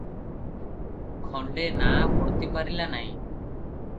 ଖଣ୍ଡେ ନାଆ ବର୍ତ୍ତି ପାରିଲା ନାହିଁ ।